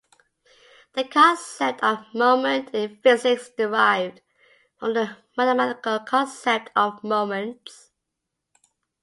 The concept of moment in physics is derived from the mathematical concept of moments.